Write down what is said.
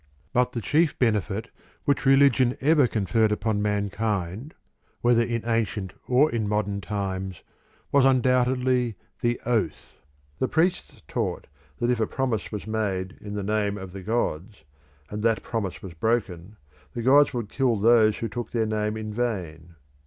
But the chief benefit which religion conferred upon mankind, whether in ancient or in modern times, was undoubtedly the oath. The priests taught that if a promise was made in the name of the gods, and that promise was broken, the gods would kill those who took their name in vain.